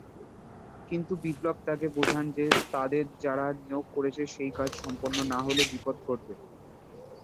কিন্তু বিপ্লব তাকে বোঝান যে তাদের যারা নিয়োগ করেছে সেই কাজ সম্পন্ন না হলে বিপদ ঘটবে।